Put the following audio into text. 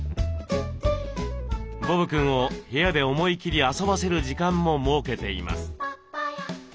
ボブくんを部屋で思い切り遊ばせる時間も設けています。